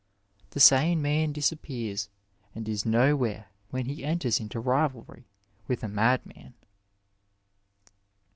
The sane man disappears and is nowhere when he enters into rivalry with a madman."